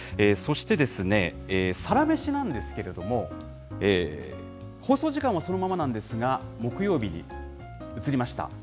そして、サラメシなんですけれども、放送時間はそのままなんですが、木曜日に移りました。